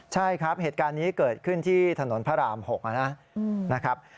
ใช่ครับเหตุการณ์นี้เกิดขึ้นที่ถนนพระราม๖นะครับ